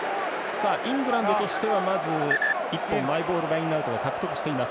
イングランドとしてはまず１本マイボールラインアウトを獲得しています。